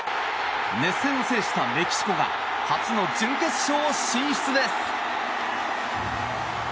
熱戦を制したメキシコが初の準決勝進出です。